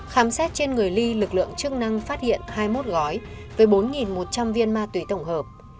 khám xét trên người ly lực lượng chức năng phát hiện hai mươi một gói với bốn một trăm linh viên ma túy tổng hợp